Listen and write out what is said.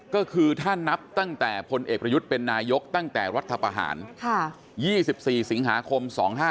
ก็คือถ้านับตั้งแต่พลเอกประยุทธ์เป็นนายกตั้งแต่รัฐประหาร๒๔สิงหาคม๒๕๖